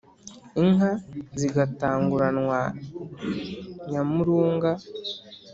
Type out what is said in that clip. inka zigatanguranwa nyamurunga.